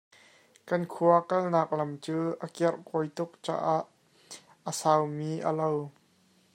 Kan khua kalnak lam cu a kerkawi tuk caah a saumi a lo.